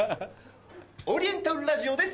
オリエンタルラジオです。